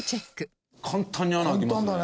簡単に穴開きますね。